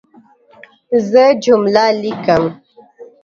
زه جمله لیکم.